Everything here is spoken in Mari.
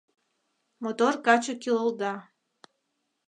Мотор каче кӱлылда.